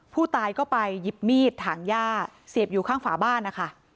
ผู้ตายก็ไปหยิบมีดถังย่าเสียบอยู่ข้างฝาบ้านนะคะ